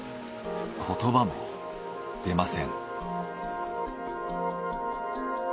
言葉も出ません。